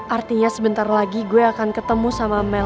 artinya sebentar lagi gue akan ketemu sama mell